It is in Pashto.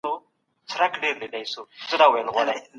آیا په نوي نظام کي د استادانو د علمي مقالو ملاتړ کیږي؟